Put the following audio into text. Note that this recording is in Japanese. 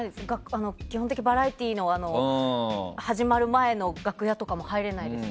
基本的、バラエティーの始まる前の楽屋とかも入れないです。